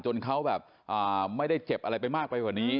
จนเขาแบบไม่ได้เจ็บอะไรไปมากไปกว่านี้